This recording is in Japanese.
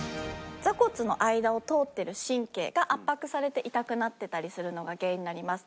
坐骨の間を通ってる神経が圧迫されて痛くなってたりするのが原因になります。